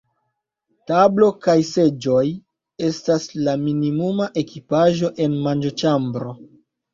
Tablo kaj seĝoj estas la minimuma ekipaĵo en manĝoĉambro.